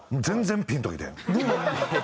全然ピンと。